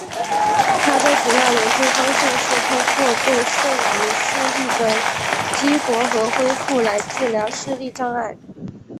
他的主要研究方向是通过对剩余视力的激活和恢复来治疗视力障碍。